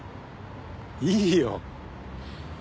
いいよ。